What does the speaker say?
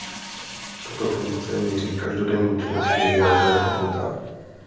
Tato funkce měří každodenní činnosti vyjádřené v minutách.